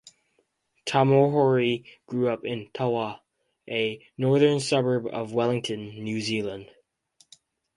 Tamahori grew up in Tawa, a northern suburb of Wellington, New Zealand.